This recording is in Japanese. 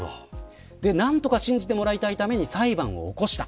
何とか信じてもらいたいために裁判を起こした。